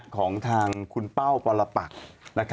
ของทางคุณเป้าปรปัก